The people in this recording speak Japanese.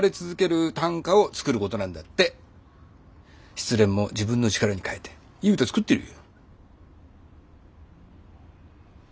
失恋も自分の力に変えていい歌作ってるよ。